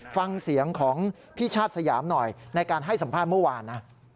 ฟังเสียงของพี่ชาติสยามหน่อยในการให้สัมภาษณ์เมื่อวานนะ